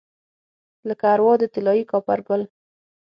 لکه اروا د طلايي کاپرګل